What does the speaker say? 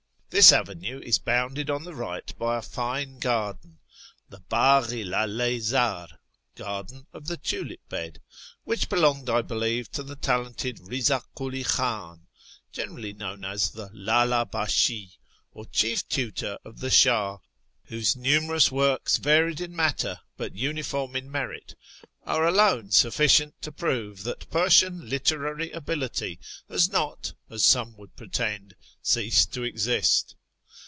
This avenue is bounded on the right by a fine garden, the Bdgli i LdU zdr (" Garden of the Tulip bed "), which belonged, I believe, to the talented Eiza Kuli Khan, generally known as the Ldld bdslii, or chief tutor of the Shah, whose numerous works, varied in matter but uniform in merit, are alone sufficient to prove that Persian literary ability has not, as some would pretend, ceased to exist.